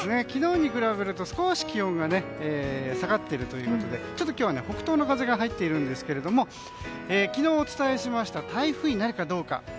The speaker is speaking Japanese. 昨日に比べると、少し気温が下がっているということでちょっと今日は北東の風が入っているんですけれども昨日お伝えしました台風になるかどうか。